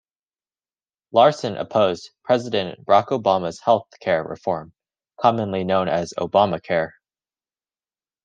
Larson opposed President Barack Obama's health care reform, commonly known as Obamacare.